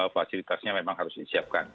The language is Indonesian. fasilitasnya memang harus disiapkan